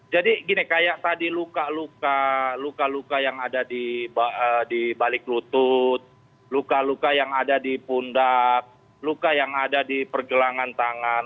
jadi gini kayak tadi luka luka luka luka yang ada di balik lutut luka luka yang ada di pundak luka yang ada di pergelangan tangan